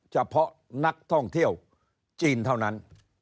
เฉพาะนักท่องเที่ยวจีนเท่านั้น